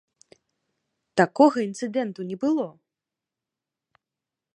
Такога інцыдэнту не было!